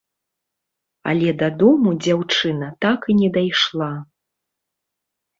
Але дадому дзяўчына так і не дайшла.